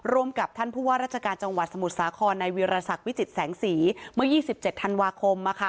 ร่วมกับท่านผู้ว่าราชการจังหวัดสมุทรสาครในวิรสักวิจิตแสงสีเมื่อ๒๗ธันวาคม